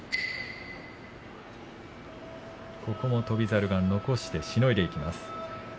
翔猿も残してしのいでいきます。